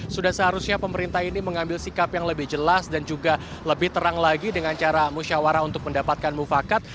sudah seharusnya pemerintah ini mengambil sikap yang lebih jelas dan juga lebih terang lagi dengan cara musyawarah untuk mendapatkan mufakat